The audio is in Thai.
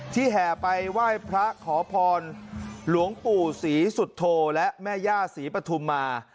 แห่ไปไหว้พระขอพรหลวงปู่ศรีสุโธและแม่ย่าศรีปฐุมมา